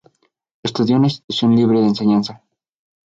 Estudió en la Institución Libre de Enseñanza.